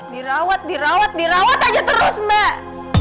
dirawat dirawat dirawat aja terus mbak